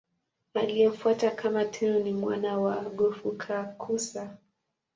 Aliyemfuata kama Tenno ni mwana wake Go-Fukakusa.